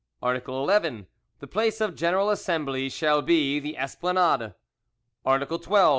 "Article 11. The place of general assembly shall be, the Esplanade. "Article 12.